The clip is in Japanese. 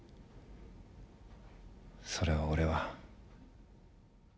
それを俺は。